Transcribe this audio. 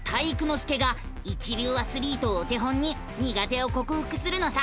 介が一流アスリートをお手本に苦手をこくふくするのさ！